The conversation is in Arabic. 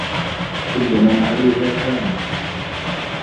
كُلُّ مَن عَلَيها فانٍ